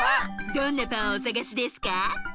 どんなパンをおさがしですか？